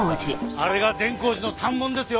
あれが善光寺の山門ですよ。